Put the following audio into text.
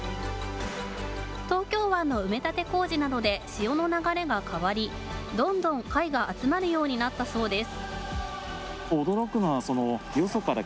東京湾の埋め立て工事などで潮の流れが変わり、どんどん貝が集まるようになったそうです。